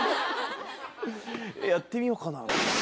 やってみようかな